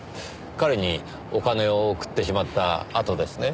彼にお金を送ってしまったあとですね？